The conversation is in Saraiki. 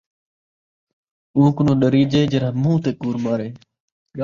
اوں کنوں ݙریجے جیڑھا من٘ہ تے کوڑ مارے